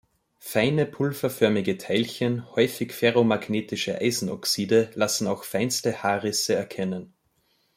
Feine pulverförmige Teilchen, häufig ferromagnetische Eisenoxide, lassen auch feinste Haarrisse erkennen.